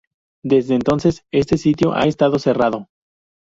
Desde entonces, este sitio ha estado cerrado.